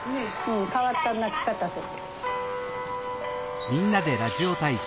うん変わった鳴き方する。